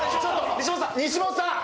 西本さん！